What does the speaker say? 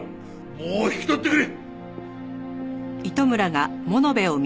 もう引き取ってくれ。